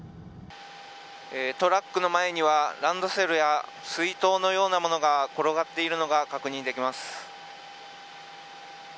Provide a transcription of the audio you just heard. トラックの前にはランドセルや水筒のようなものが転がっているのが確認できます。